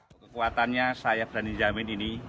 kekuatannya saya berani jamin ini